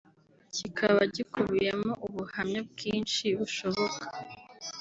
kikaba gikubiyemo ubuhamya bwinshi bushoboka